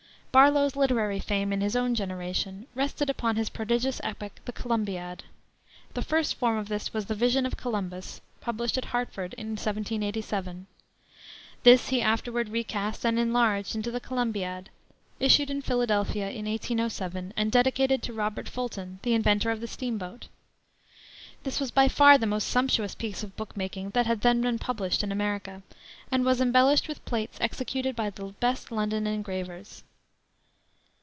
Barlow's literary fame, in his own generation, rested upon his prodigious epic, the Columbiad. The first form of this was the Vision of Columbus, published at Hartford in 1787. This he afterward recast and enlarged into the Columbiad, issued in Philadelphia in 1807, and dedicated to Robert Fulton, the inventor of the steamboat. This was by far the most sumptuous piece of book making that had then been published in America, and was embellished with plates executed by the best London engravers.